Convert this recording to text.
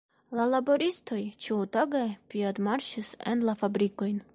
La laboristoj ĉiutage piedmarŝis en la fabrikojn.